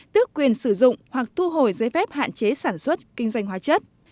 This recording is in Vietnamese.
tước quyền sử dụng hoặc thu hồi giấy phép hạn chế sản xuất kinh doanh hóa chất